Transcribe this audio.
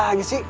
gak lagi sih